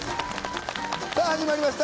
さぁ始まりました